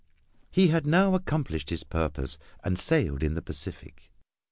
He had now accomplished his purpose and sailed in the Pacific.